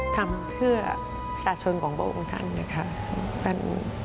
ทำเพื่อสาชนของบัวองค์คุณท่านนะครับ